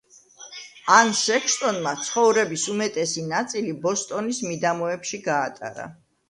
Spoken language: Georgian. ან სექსტონმა ცხოვრების უმეტესი ნაწილი ბოსტონის მიდამოებში გაატარა.